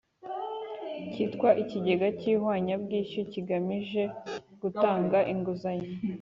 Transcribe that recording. cyitwa Ikigega cy ihwanyabwishyu kigamije gutanga inguzanyo